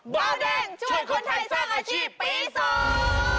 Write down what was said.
เบาแดงช่วยคนไทยสร้างอาชีพปีสอง